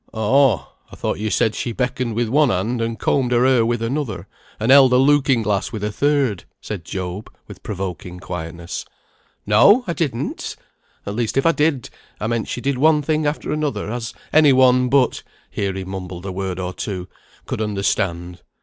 "Oh! I thought you said she beckoned with one hand, and combed her hair with another, and held a looking glass with a third," said Job, with provoking quietness. "No! I didn't! at least if I did, I meant she did one thing after another, as any one but" (here he mumbled a word or two) "could understand.